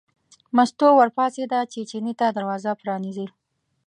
مستو ور پاڅېده چې چیني ته دروازه پرانیزي.